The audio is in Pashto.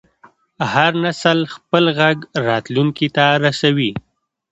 هر نسل خپل غږ راتلونکي ته رسوي.